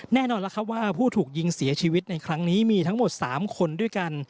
แน่นอนแล้วครับว่าผู้ถูกยิงเสียชีวิตในครั้งนี้มีทั้งหมด๓คนด้วยกัน